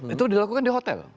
itu dilakukan di hotel